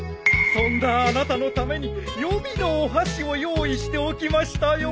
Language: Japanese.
そんなあなたのために予備のお箸を用意しておきましたよ。